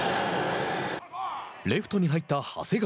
レフトに入った長谷川。